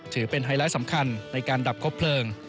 ถือเป็นไฮไลท์สำคัญในการดับคบเพลิง